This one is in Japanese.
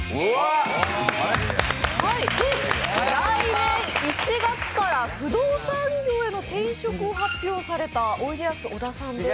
来年１月から不動産業への転職を発表されたおいでやす小田さんです。